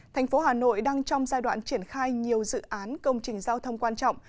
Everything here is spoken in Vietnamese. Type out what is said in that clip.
thành phố hà nội đang trong giai đoạn triển khai nhiều dự án công trình giao thông quan trọng